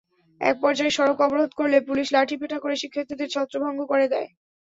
একপর্যায়ে সড়ক অবরোধ করলে পুলিশ লাঠিপেটা করে শিক্ষার্থীদের ছত্রভঙ্গ করে দেয়।